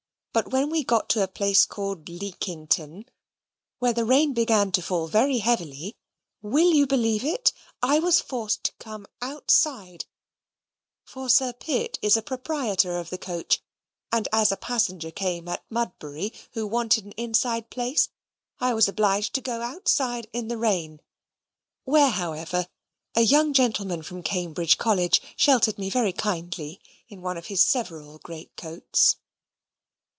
But, when we got to a place called Leakington, where the rain began to fall very heavily will you believe it? I was forced to come outside; for Sir Pitt is a proprietor of the coach, and as a passenger came at Mudbury, who wanted an inside place, I was obliged to go outside in the rain, where, however, a young gentleman from Cambridge College sheltered me very kindly in one of his several great coats.